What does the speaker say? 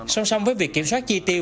song song với việc kiểm soát chi tiêu